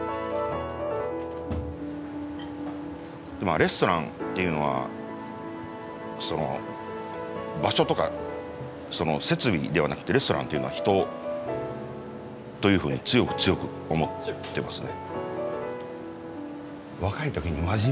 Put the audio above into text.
レストランっていうのは場所とか設備ではなくてレストランっていうのは人というふうに強く強く思ってますね。